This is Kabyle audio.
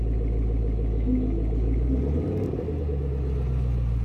Tḥemmlem ad tilim weḥd-nwen?